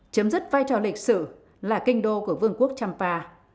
chấm dứt vai trò lịch sử là kinh đô của vương quốc trăm ba